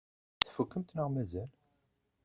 Tfukkemt neɣ mazal?